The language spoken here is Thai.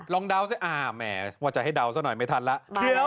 ลองดาวซะอ่าแหมว่าจะให้ดาวซะหน่อยไม่ทันแล้ว